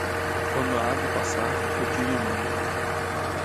Quando a ave passar, retire o manto.